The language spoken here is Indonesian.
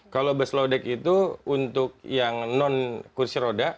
kalau bus low deck itu untuk yang non kursi roda